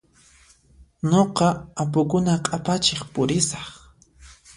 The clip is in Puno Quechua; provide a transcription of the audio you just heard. Nuqa apukuna q'apachiq pusiraq.